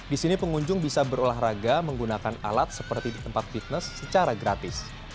di sini pengunjung bisa berolahraga menggunakan alat seperti di tempat fitness secara gratis